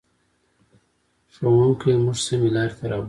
ښوونکی موږ سمې لارې ته رابولي.